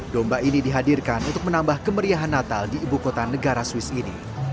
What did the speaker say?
domba ini dihadirkan untuk menambah kemeriahan natal di ibu kota negara swiss ini